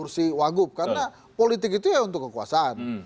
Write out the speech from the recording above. mereka tidak selangsung melepas kursi wagub karena politik itu ya untuk kekuasaan